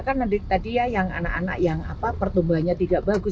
kan tadi ya yang anak anak yang pertumbuhannya tidak bagus